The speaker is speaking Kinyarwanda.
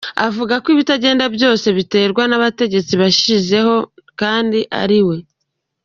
avuga ko ibitagenda byose biterwa n’abategetsi yashyizeho kandi ariwe